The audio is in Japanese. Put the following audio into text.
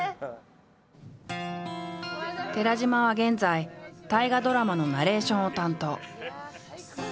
寺島は現在大河ドラマのナレーションを担当。